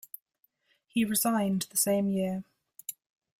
He resigned the same year.